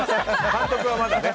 監督はまだね。